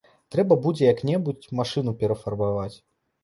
Трэба будзе як-небудзь машыну перафарбаваць.